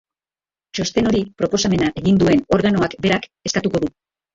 Txosten hori proposamena egin duen organoak berak eskatuko du,